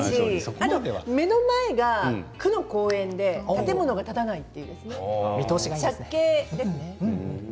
あと目の前が区の公園で建物が建たないと借景ですね。